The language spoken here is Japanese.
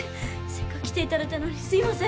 せっかく来ていただいたのにすいません！